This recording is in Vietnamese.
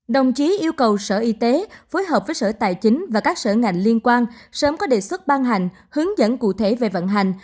đồng chí yêu cầu sở y tế phối hợp với sở tài chính và các sở ngành liên quan sớm có đề xuất ban hành hướng dẫn cụ thể về vận hành